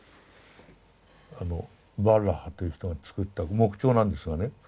あのバルラハという人が作った木彫なんですがね